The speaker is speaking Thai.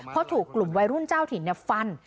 เพราะถูกกลุ่มวัยรุ่นเจ้าถิ่นฟัน